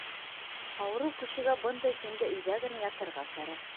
Ауырыу кешегә бындай көндә өйҙә генә ятырға кәрәк.